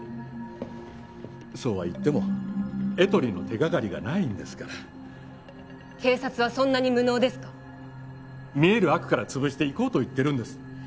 そうは言ってもエトリの手がかりがないんですから警察はそんなに無能ですか見える悪からつぶしていこうと言ってるんです